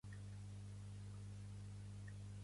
Què en pensa, d'unir els grups independentistes?